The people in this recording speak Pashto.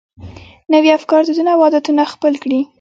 نوي افکار، دودونه او عادتونه خپل کړي.